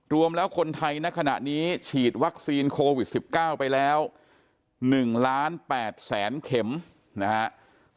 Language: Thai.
รวมแล้วคนไทยในขณะนี้ฉีดวัคซีนโควิด๑๙ไปแล้ว๑๘๐๐๐๐๐เข็มนะฮะ